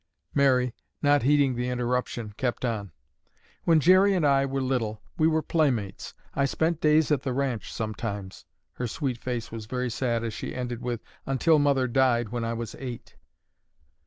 Mary, not heeding the interruption, kept on. "When Jerry and I were little, we were playmates. I spent days at the ranch sometimes," her sweet face was very sad as she ended with, "until Mother died when I was eight."